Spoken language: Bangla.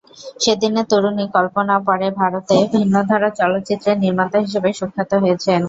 সেদিনের তরুণী কল্পনা পরে ভারতে ভিন্নধারার চলচ্চিত্রের নির্মাতা হিসেবে সুখ্যাত হয়েছেন।